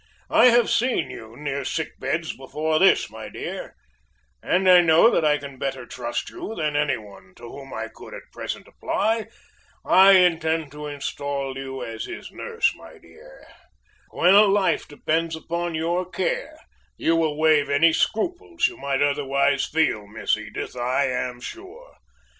I have seen you near sick beds before this, my dear, and know that I can better trust you than any one to whom I could at present apply. I intend to install you as his nurse, my dear. When a life depends upon your care, you will waive any scruples you might otherwise feel, Miss Edith, I am sure!